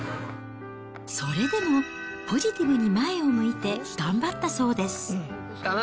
それでも、ポジティブに前を向いて、頑張ったそうです。